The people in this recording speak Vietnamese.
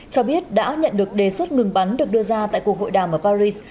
cho biết đã nhận được đề xuất ngừng bắn được đưa ra tại cuộc hội đàm ở paris